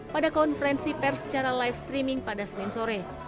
pada konferensi pers secara live streaming pada senin sore